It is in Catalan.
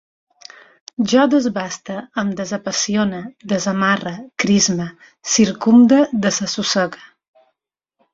Jo desbaste, em desapassione, desamarre, crisme, circumde, desassossegue